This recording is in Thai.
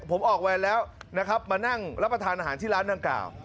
ผมออกแวนแล้วนะครับมานั่งรับประทานอาหารที่ร้านดังกล่าว